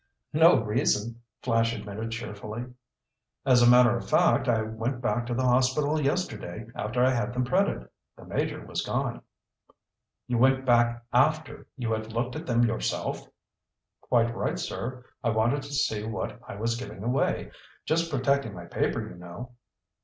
"No reason," Flash admitted cheerfully. "As a matter of fact, I went back to the hospital yesterday after I had them printed. The Major was gone." "You went back after you had looked at them yourself?" "Quite right, sir. I wanted to see what I was giving away. Just protecting my paper, you know."